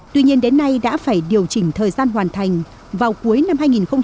tuy nhiên đến nay đã phải điều chỉnh thời gian hoàn thành vào cuối năm hai nghìn hai mươi